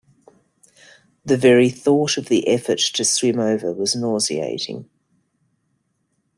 The very thought of the effort to swim over was nauseating.